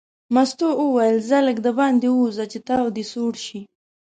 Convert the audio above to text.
مستو وویل ځه لږ دباندې ووځه چې تاو دې سوړ شي.